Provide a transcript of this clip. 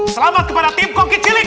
selamat kepada tim koki cilik